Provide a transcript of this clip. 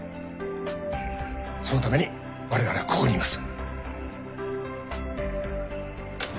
そのためにわれわれはここにいます